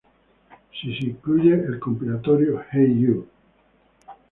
Si se incluye al compilatorio "Hey Jude".